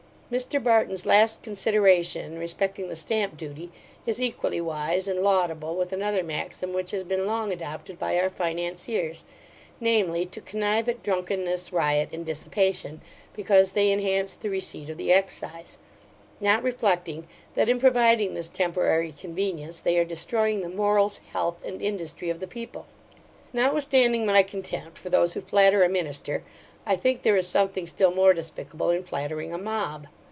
Mr Barton's last consideration, respecting the stamp duty, is equally wise and laudable with another maxim which has been long adopted by our financiers, namely, to connive at drunkenness, riot, and dissipation, because they inhance the receipt of the excise; not reflecting, that in providing this temporary convenience, they are destroying the morals, health, and industry of the people Notwithstanding my contempt for those who flatter a minister, I think there is something still more despicable in flattering a mob.